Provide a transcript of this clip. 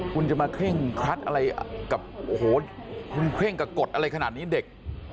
คุณจะมาเคร่งครัดอะไรกับโอ้โหคุณเคร่งกับกฎอะไรขนาดนี้เด็ก